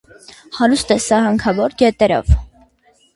Հարուստ է սահանքավոր գետերով։